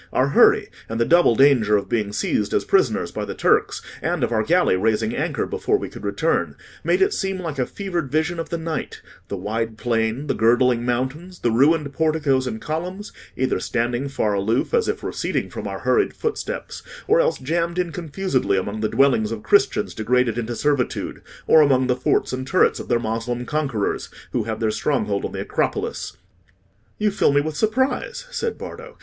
Our hurry, and the double danger of being seized as prisoners by the Turks, and of our galley raising anchor before we could return, made it seem like a fevered vision of the night—the wide plain, the girdling mountains, the ruined porticos and columns, either standing far aloof, as if receding from our hurried footsteps, or else jammed in confusedly among the dwellings of Christians degraded into servitude, or among the forts and turrets of their Moslem conquerors, who have their stronghold on the Acropolis." "You fill me with surprise," said Bardo.